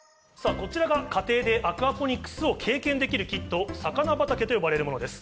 こちらが家庭でアクアポニックスを経験できるキット、さかな畑と呼ばれるものです。